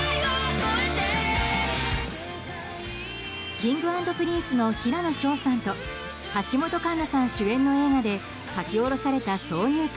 Ｋｉｎｇ＆Ｐｒｉｎｃｅの平野紫耀さんと橋本環奈さん主演の映画で書き下ろされた挿入歌